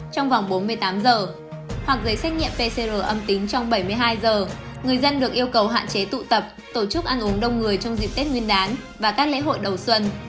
trong vòng bốn mươi tám giờ hoặc giấy xét nghiệm pcr âm tính trong bảy mươi hai giờ người dân được yêu cầu hạn chế tụ tập tổ chức ăn uống đông người trong dịp tết nguyên đán và các lễ hội đầu xuân